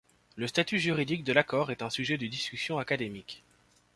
Le statut juridique de l'accord est un sujet de discussion académique.